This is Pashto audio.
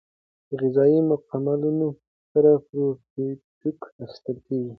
د غذایي مکملونو سره پروبیوتیکونه اخیستل کیږي.